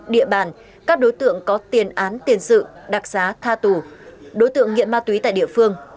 đối tượng có tiền án tiền sự đặc giá tha tù đối tượng nghiện ma túy tại địa phương